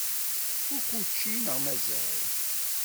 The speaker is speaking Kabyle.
Tfukk učči neɣ mazal?